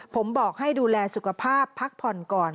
ผมบอกให้ดูแลสุขภาพพักผ่อนก่อน